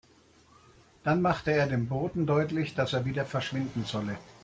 Dann machte er dem Boten deutlich, dass er wieder verschwinden solle.